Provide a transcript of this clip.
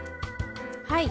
はい。